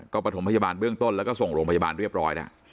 ก็ไปถุงพยาบาลเบื้องต้นแล้วก็ส่งลงพยาบาลเรียบร้อยนะ